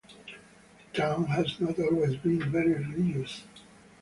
The town has not always been very religious.